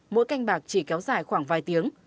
mỗi canh bạc chỉ kéo dài khoảng vài tiếng